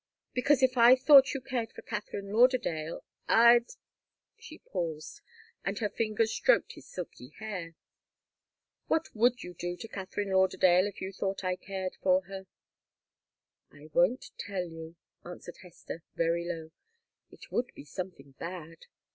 "Because if I thought you cared for Katharine Lauderdale I'd " She paused, and her fingers stroked his silky hair. "What would you do to Katharine Lauderdale if you thought I cared for her?" "I won't tell you," answered Hester, very low. "It would be something bad.